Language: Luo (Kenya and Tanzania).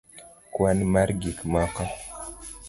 kwan mar gik moko